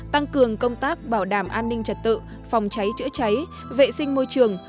tăng cường công tác bảo đảm an ninh trật tự phòng cháy chữa cháy vệ sinh môi trường